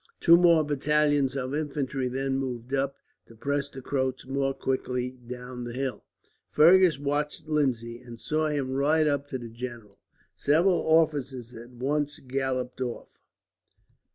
Two more battalions of infantry then moved up, to press the Croats more quickly down the hill. Fergus watched Lindsay, and saw him ride up to the general. Several officers at once galloped off.